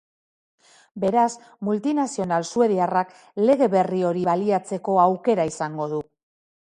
Beraz, multinazional suediarrak lege berri hori baliatzeko aukera izango du.